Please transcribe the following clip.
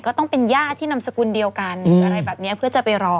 ก็ต้องเป็นญาติที่นำสกุลเดียวกันอะไรแบบนี้เพื่อจะไปรอ